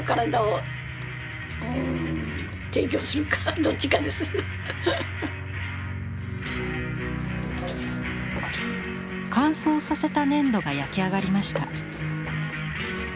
乾燥させた粘土が焼き上がりました。